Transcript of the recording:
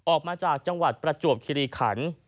ออกมาจากจังหวัดประจวบครีศ์หลีขันต์